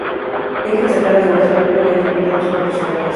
Hay que destacar además el apoyo que le han brindado sus patrocinadores.